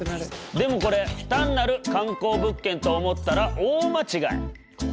でもこれ単なる観光物件と思ったら大間違い。